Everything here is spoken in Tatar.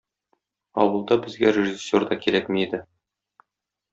Авылда безгә режиссер да кирәкми иде.